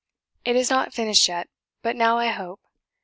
It is not finished yet; but now I hope.